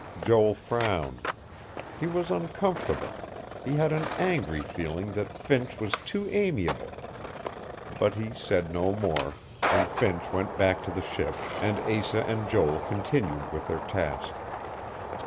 Joel frowned. He was uncomfortable; he had an angry feeling that Finch was too amiable. But he said no more, and Finch went back to the ship, and Asa and Joel continued with their task.